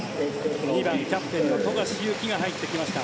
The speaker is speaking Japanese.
２番、キャプテンの富樫勇樹が入ってきました。